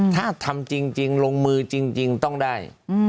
ถ้าทำจริงลงมือจริงต้องได้